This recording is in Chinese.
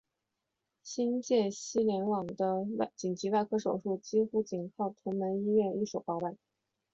新界西联网的紧急外科手术几乎仅靠屯门医院一手包办。